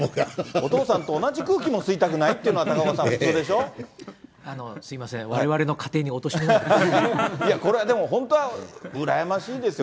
お父さんと同じ空気も吸いたくないっていうのが、高岡さん、すみません、われわれの家庭いや、これ、本当は羨ましいですよ。